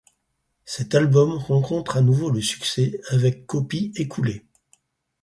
Cet album rencontre à nouveau le succès avec copies écoulées.